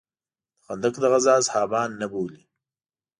د خندق د غزا اصحابان نه بولې.